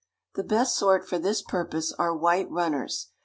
The best sort for this purpose are white runners.